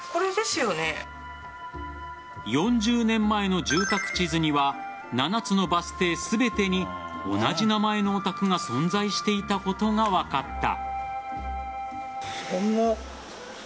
４０年前の住宅地図には７つのバス停全てに同じ名前のお宅が存在していたことが分かった。